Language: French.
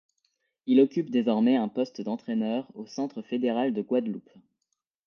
Il occupe désormais un poste d'entraîneur au centre fédéral de Guadeloupe.